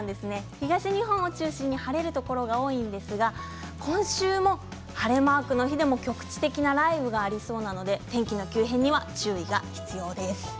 東日本を中心に晴れるところが多いんですが今週も晴れマークの日でも局地的な雷雨がありそうですので天気の急変には注意が必要です。